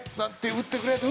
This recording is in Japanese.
打ってくれ！と。